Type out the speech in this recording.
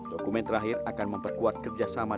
dokumen terakhir akan memperkuat kerjasama